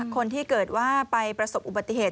คนที่เกิดว่าไปประสบอุบัติเหตุ